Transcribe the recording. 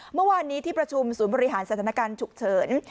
เมื่อวานนี้ที่ประชุมศูนย์บริหารสถานการณ์ฉุกเฉิน